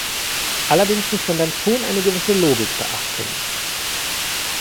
Allerdings muss man dann schon eine gewisse Logik beachten.